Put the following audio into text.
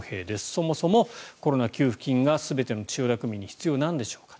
そもそもコロナ給付金が全ての千代田区民に必要なんでしょうか。